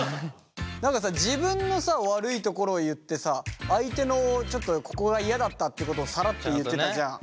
何かさ自分の悪いところを言ってさ相手のちょっとここが嫌だったってことをサラッと言ってたじゃん。